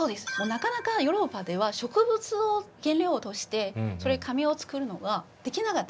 なかなかヨーロッパでは植物を原料としてそれで紙を作るのができなかった。